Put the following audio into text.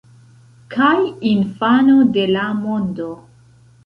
Kaj infano de la mondo.